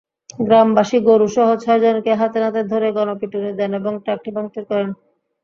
গ্রামবাসী গরুসহ ছয়জনকে হাতেনাতে ধরে গণপিটুনি দেন এবং ট্রাকটি ভাঙচুর করেন।